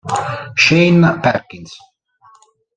Shane Perkins